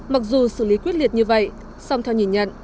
mặc dù xử lý quyết liệt như vậy song theo nhìn nhận